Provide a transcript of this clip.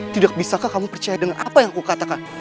tidak bisakah kamu percaya dengan apa yang aku katakan